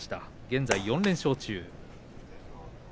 現在、４連勝中。